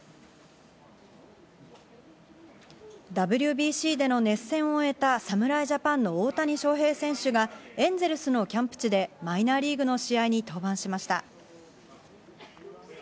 ＷＢＣでの熱戦を終えた侍ジャパンの大谷翔平選手がエンゼルスのキャンプ地でマイナーリーグの試合に登板しました。